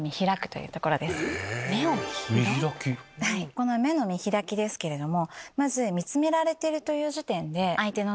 この目の見開きですけれども。